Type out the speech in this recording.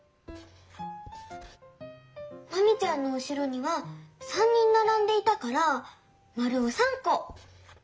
マミちゃんのうしろには３人ならんでいたからまるを３こ。